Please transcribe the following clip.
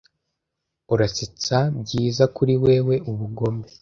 urasetsa byiza kuri wewe ubugome